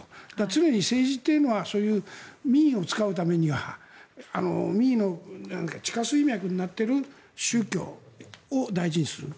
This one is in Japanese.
常に政治というのは民意をつかむためには民意の地下水脈になっている宗教を大事にする。